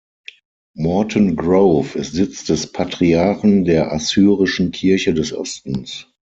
Morton Grove ist Sitz des Patriarchen der Assyrischen Kirche des Ostens.